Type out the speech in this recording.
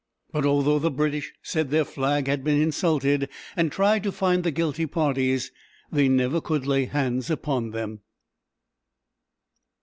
But although the British said their flag had been insulted, and tried to find the guilty parties, they never could lay hands upon them.